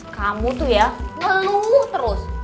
kamu tuh ya ngeluh terus